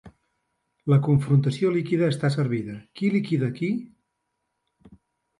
La confrontació líquida està servida: qui liquida qui?